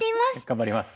頑張ります。